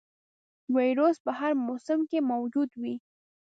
ویروس په هر موسم کې موجود وي.